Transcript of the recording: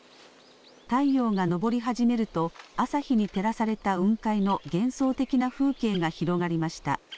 太陽が昇り始めると朝日に照らされた雲海の幻想的な風景が広がりました。